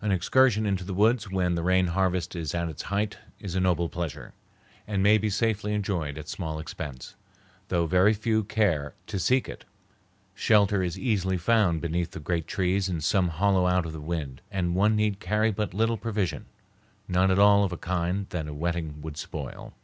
An excursion into the woods when the rain harvest is at its height is a noble pleasure, and may be safely enjoyed at small expense, though very few care to seek it. Shelter is easily found beneath the great trees in some hollow out of the wind, and one need carry but little provision, none at all of a kind that a wetting would spoil.